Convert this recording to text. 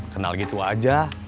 kenal gitu aja